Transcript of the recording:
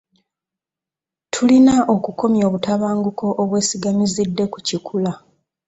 Tulina okukomya obutabanguko obwesigamizidde ku kikula.